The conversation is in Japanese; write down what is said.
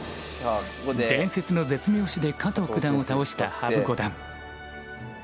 伝説の絶妙手で加藤九段を倒した羽生五段。